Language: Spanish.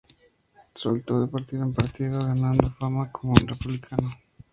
Saltó de partido en partido, ganando fama como un republicano.